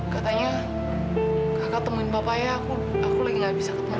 katanya kakak temuin papa aja aku lagi enggak bisa ketemu dia